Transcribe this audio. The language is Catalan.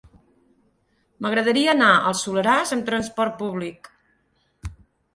M'agradaria anar al Soleràs amb trasport públic.